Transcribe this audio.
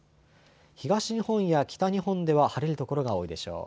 東日本や北日本では晴れる所が多いでしょう。